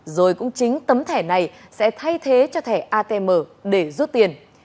rồi cũng chính tấm thẻ này sẽ thay thế cho thẻ atm để rút tiền